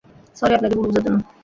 Sorry, আপনাকে ভুল বোঝার জন্য!